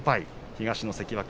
東の関脇。